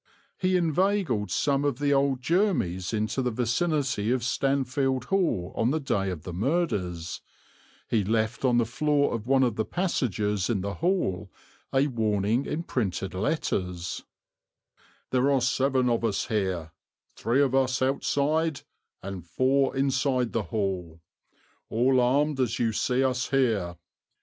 He inveigled some of the old Jermys into the vicinity of Stanfield Hall on the day of the murders; he left on the floor of one of the passages in the Hall a warning in printed letters: "There are seven of us here, three of us outside and four inside the hall, all armed as you see us here.